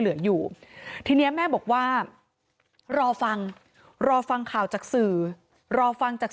เหลืออยู่ทีนี้แม่บอกว่ารอฟังรอฟังข่าวจากสื่อรอฟังจาก